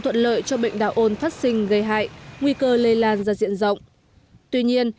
thuận lợi cho bệnh đào ôn phát sinh gây hại nguy cơ lây lan ra diện rộng tuy nhiên